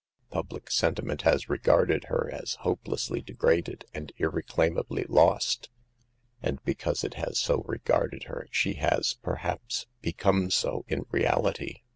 Public sentiment has regarded her as hope lessly degraded, and irreclaimably lost, and because it has so regarded her, she has, per haps, become so in reality.